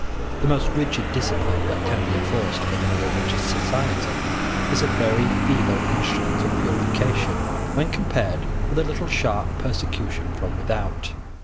The most rigid discipline that can be enforced within a religious society is a very feeble instrument of purification, when compared with a little sharp persecution from without.